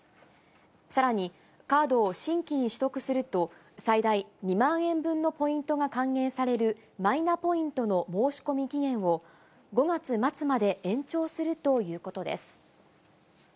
さらに、カードを新規に取得すると、最大２万円分のポイントが還元されるマイナポイントの申し込み期限を、５月末まで延長するということです。